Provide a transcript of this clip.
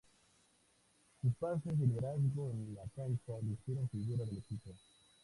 Sus pases y liderazgo en la cancha lo hicieron figura del equipo.